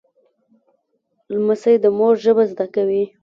لمسی د مور ژبه زده کوي.